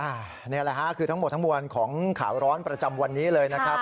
อันนี้แหละฮะคือทั้งหมดทั้งมวลของข่าวร้อนประจำวันนี้เลยนะครับ